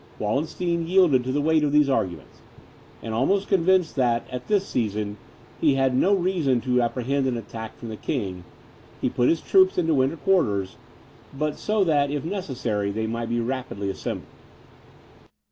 Wallenstein yielded to the weight of these arguments, and almost convinced that, at this season, he had no reason to apprehend an attack from the King, he put his troops into winter quarters, but so that, if necessary, they might be rapidly assembled.